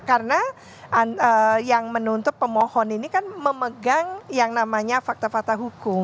karena yang menuntut pemohon ini kan memegang yang namanya fakta fakta hukum